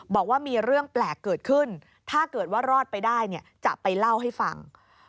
บอกว่ามีเรื่องแปลกเกิดขึ้นถ้าเกิดว่ารอดไปได้จะไปเล่าให้ฟัง